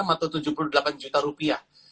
tujuh puluh enam atau tujuh puluh delapan juta rupiah